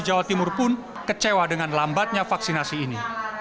jawa timur pun kecewa dengan lambatnya vaksinasi ini